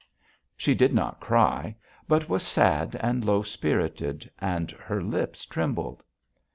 She did not cry, but was sad and low spirited, and her lips trembled.